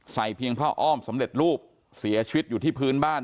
เพียงผ้าอ้อมสำเร็จรูปเสียชีวิตอยู่ที่พื้นบ้าน